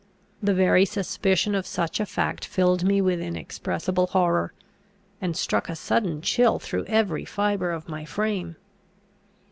The very suspicion of such a fact filled me with inexpressible horror, and struck a sudden chill through every fibre of my frame.